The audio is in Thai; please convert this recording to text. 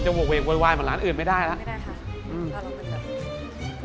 เราคงจะเววเวงเว้นวายเหมือนร้านอื่นไม่ได้แล้ว